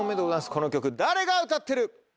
この曲誰が歌ってる？